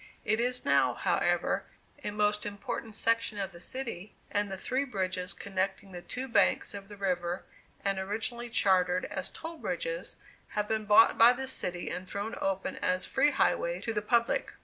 It is now, however, a most important section of the city, and the three bridges connecting the two banks of the river, and originally chartered as toll bridges, have been bought by the city and thrown open as free highways to the public.